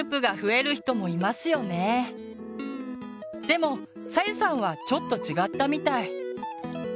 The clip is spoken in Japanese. でもさゆさんはちょっと違ったみたい。